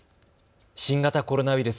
新型コロナウイルス。